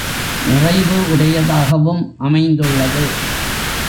நிறைவு உடையதாகவும் அமைந்துள்ளது.